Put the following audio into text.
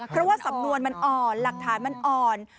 เพราะว่าสำนวนมันอ่อนหลักฐานมันอ่อน